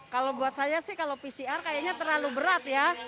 kalau buat saya sih kalau pcr kayaknya terlalu berat ya